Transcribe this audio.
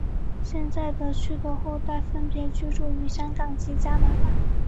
现在区德的后代分别居住于香港及加拿大。